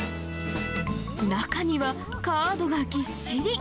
中には、カードがぎっしり。